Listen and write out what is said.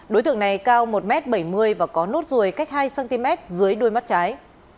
đối tượng này cao một m bảy mươi và có nốt ruồi cách hai cm dưới đuôi mắt trái